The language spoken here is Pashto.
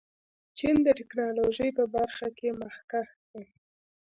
چین د ټیکنالوژۍ په برخه کې مخکښ دی.